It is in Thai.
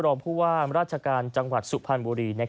รองผู้ว่ามราชการจังหวัดสุพรรณบุรี